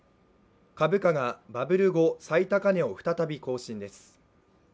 株価がバブル後最高値を再び更新です。